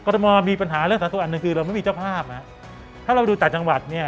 ถ้าเรับดูต่างจังหวัดเนี่ย